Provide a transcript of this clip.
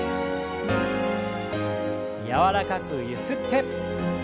柔らかくゆすって。